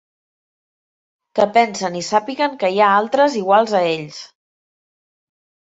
Que pensen i sàpiguen que hi ha altres iguals a ells.